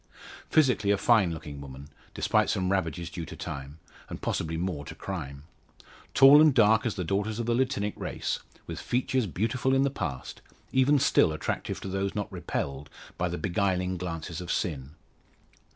Physically a fine looking woman, despite some ravages due to time, and possibly more to crime. Tall and dark as the daughters of the Latinic race, with features beautiful in the past even still attractive to those not repelled by the beguiling glances of sin.